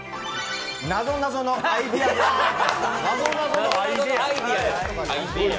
なぞなぞのアイデアでございます。